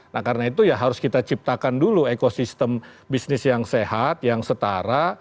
nah karena itu ya harus kita ciptakan dulu ekosistem bisnis yang sehat yang setara